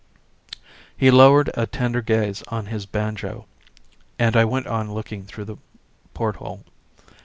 He lowered a tender gaze on his banjo and I went on looking through the porthole.